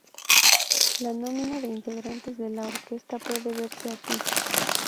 La nómina de integrantes de la Orquesta puede verse aquí.